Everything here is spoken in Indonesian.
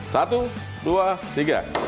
satu dua tiga